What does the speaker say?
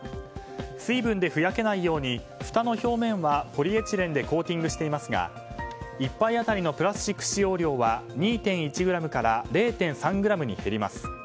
水分でふやけないようにふたの表面はポリエチレンでコーティングしていますが１杯当たりのプラスチック使用量は２．１ｇから０．３ｇに減ります。